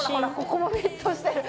ここもフィットしてる。